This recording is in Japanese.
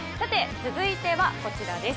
続いてはこちらです。